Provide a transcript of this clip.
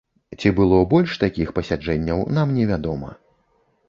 Ці было больш такіх пасяджэнняў, нам не вядома.